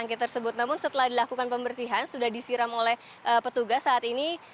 namun setelah dilakukan pembersihan sudah disiram oleh petugas saat ini